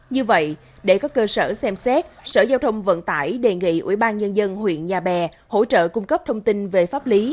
như vậy để có cơ sở xem xét sở giao thông vận tải đề nghị ubnd huyện nhà bè hỗ trợ cung cấp thông tin về pháp lý